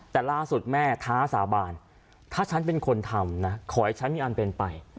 แต่ล่าสุดแม่ท้าสาบานถ้าฉันเป็นคนทำนะขอให้ฉันมีอันเป็นไป